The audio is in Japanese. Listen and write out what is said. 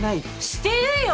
してるよ！